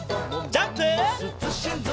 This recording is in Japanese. ジャンプ！